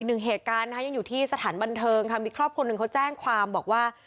หนึ่งเหตุการณ์นะคะยังอยู่ที่สถานบันเทิงค่ะมีครอบครัวหนึ่งเขาแจ้งความบอกว่า